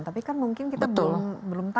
tapi kan mungkin kita belum tahu